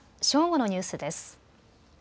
正午のニュースです。